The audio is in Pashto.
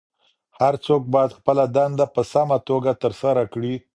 هر څوک باید خپله دنده په سمه توګه ترسره کړي.